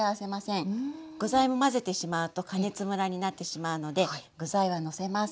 具材も混ぜてしまうと加熱むらになってしまうので具材はのせます。